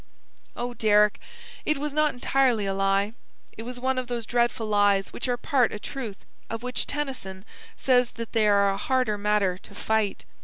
"Oh, Deryck, it was not entirely a lie. It was one of those dreadful lies which are 'part a truth,' of which Tennyson says that they are 'a harder matter to fight.'"